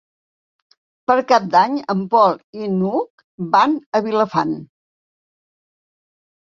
Per Cap d'Any en Pol i n'Hug van a Vilafant.